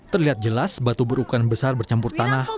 terlihat jelas batu berukuran besar bercampur tanah